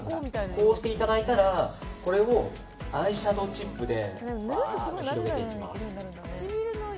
こうしていただいたらこれをアイシャドーチップでバーッと広げていきます。